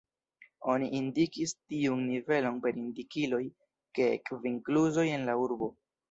Oni indikis tiun nivelon per indikiloj ĉe kvin kluzoj en la urbo.